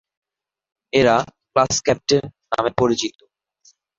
এরা 'class captain' নামে পরিচিত।